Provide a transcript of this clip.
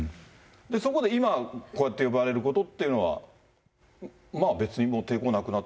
そこで今、こうやって呼ばれることっていうのは、まあ、別にもう抵抗なくなった？